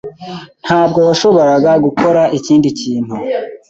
Ntabwo washoboraga gukora ikindi kintu.